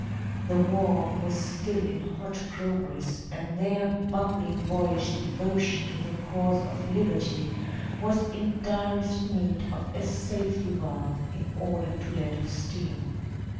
The war was still in hot progress and their bubbling boyish devotion to the cause of liberty was in direst need of a safety valve in order to let off steam.